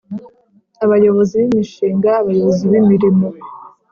Abayobozi b imishinga abayobozi b imirimo